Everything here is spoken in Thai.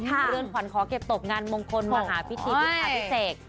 เรื่องขวันขอเก็บตบงานมงคลมหาพิธีบุคค่าพิเศษ